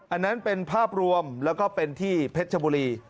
อันนั้นเป็นภาพรวมแล้วก็เป็นที่เพชรชบุรี